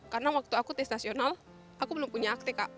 karena waktu aku tes nasional aku belum punya akte kak